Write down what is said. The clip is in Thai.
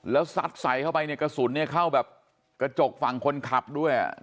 แล้วซัดใส่เข้าไปเนี่ยกระสุนเนี่ยเข้าแบบกระจกฝั่งคนขับด้วย